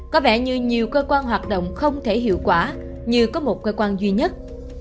có vẻ như nhiều cơ quan hoạt động không thể hiệu quả như có một cơ quan duy nhất